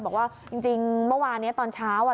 บอกว่าจริงเมื่อวานนี้ตอนเช้า